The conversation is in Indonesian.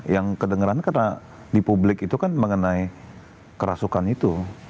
yang kedengeran karena di publik itu kan mengenai kerasukan itu